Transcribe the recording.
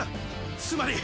つまり。